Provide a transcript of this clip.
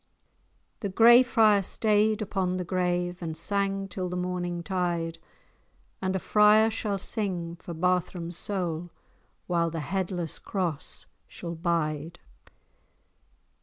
A Gray Friar staid upon the grave, And sang till the morning tide, And a friar shall sing for Barthram's soul, While the Headless Cross shall bide.